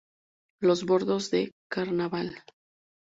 Los Bordos de Carnaval.